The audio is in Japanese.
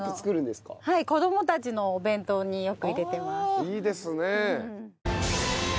いいですね。